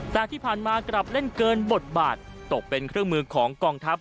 แต่ที่ผ่านมากลับเล่นเกินบทบาทตกเป็นเครื่องมือของกองทัพ